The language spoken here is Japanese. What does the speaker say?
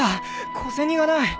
小銭がない。